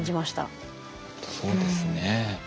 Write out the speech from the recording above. ほんとそうですね。